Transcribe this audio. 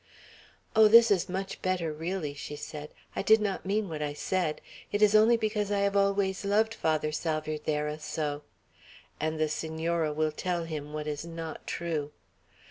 "Oh, this is much better, really," she said. "I did not mean what I said. It is only because I have always loved Father Salvierderra so. And the Senora will tell him what is not true.